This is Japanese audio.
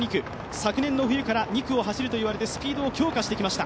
昨年の冬から２区を走ると言われてスピードを強化してきました。